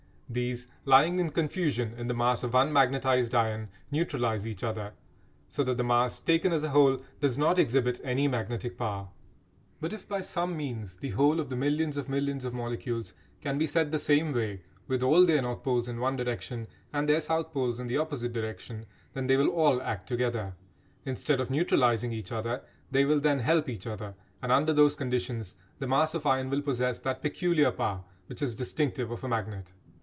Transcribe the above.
These lying in confusion in the mass of unmagnetised iron neutralise each other, so that the mass, taken as a whole, does not exhibit any magnetic power. But if by some means the whole of the millions of millions of molecules can be set the same way with all their north poles in one direction, and their south poles in the opposite direction then they will all act together. Instead of neutralising each other they will then help each other, and under those conditions the mass of iron will possess that peculiar power which is distinctive of a magnet.